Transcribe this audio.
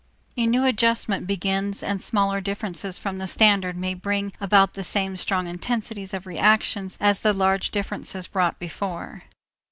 A new adjustment begins and smaller differences from the standard may bring about the same strong intensities of reaction as the large differences brought before.